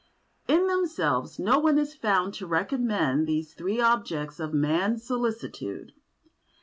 In themselves no one is found to recommend these three objects of man's solicitude.